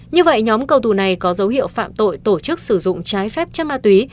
như vậy nhóm cầu tù này có dấu hiệu phạm tội tổ chức sử dụng trái phép chất ma túy